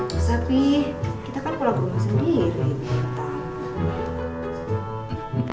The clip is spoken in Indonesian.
tapi kita kan kelabung sendiri